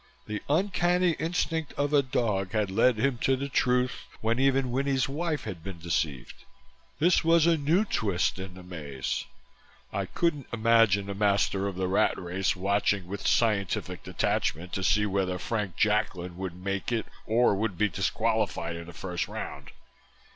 The uncanny instinct of a dog had led him to the truth when even Winnie's wife had been deceived. This was a new twist in the maze. I couldn't imagine the Master of the Rat Race watching with scientific detachment to see whether Frank Jacklin would make it or would be disqualified in the first round.